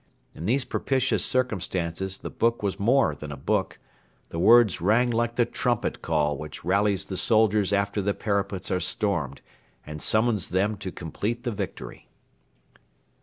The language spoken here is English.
In these propitious circumstances the book was more than a book. The words rang like the trumpet call which rallies the soldiers after the parapets are stormed, and summons them to complete the victory.